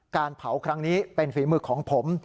การเผาครั้งนี้เป็นฝีมือของผม